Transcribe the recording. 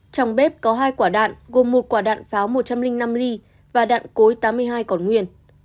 trong bếp có hai quả đạn gồm một quả đạn pháo một trăm linh năm ly và đạn cối tám mươi hai còn nguyên